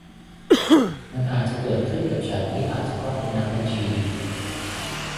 มันอาจจะเกิดขึ้นกับฉันที่อาจจะต้องเป็นนักบัญชี